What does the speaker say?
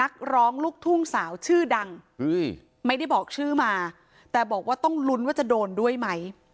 นักร้องลูกทุ่งสาวชื่อดังไม่ได้บอกชื่อมาแต่บอกว่าต้องลุ้นว่าจะโดนด้วยไหม